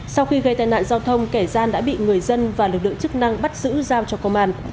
sau khi gây tai nạn giao thông kẻ gian đã bị người dân và lực lượng chức năng bắt giữ giao cho công an